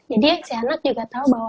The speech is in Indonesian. jadi si anak juga tahu bahwa